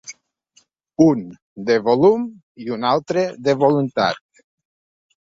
Un, de volum, i un altre, de voluntat.